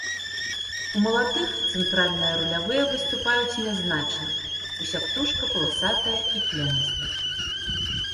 У маладых цэнтральныя рулявыя выступаюць нязначна, уся птушка паласатая і плямістая.